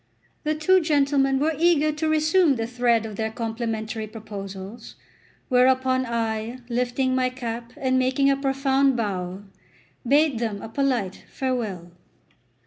The two gentlemen were eager to resume the thread of their complimentary proposals, whereupon I, lifting my cap and making a profound bow, bade them a polite farewell.